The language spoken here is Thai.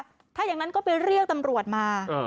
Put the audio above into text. เพราะฉะนั้นก็ไปเรียกตำรวจมา